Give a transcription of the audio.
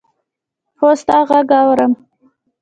هو! ستا ږغ اورم.